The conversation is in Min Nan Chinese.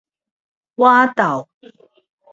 倚晝